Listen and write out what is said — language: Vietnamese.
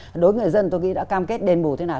và đối với người dân tôi nghĩ đã cam kết đền bù thế nào